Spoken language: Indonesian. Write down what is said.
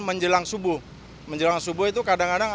menjelang subuh menjelang subuh itu kadang kadang